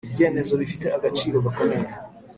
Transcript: ibyemezo bifite agaciro gakomeye